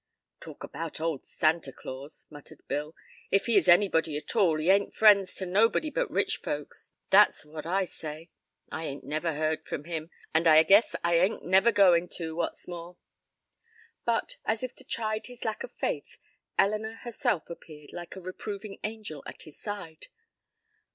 "Talk about old Santa Claus," muttered Bill, "if he is anybody at all, he ain't friends to nobody but rich folks; that's what I say. I ain't never heard from him, an' I guess I ain't never goin' to, what's more." But, as if to chide his lack of faith, Elinor herself appeared like a reproving angel at his side.